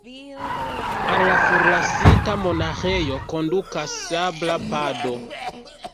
Al la forlasita monaĥejo kondukas sabla pado.